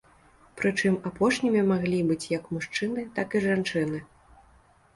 Прычым, апошнімі маглі быць як мужчыны, так і жанчыны.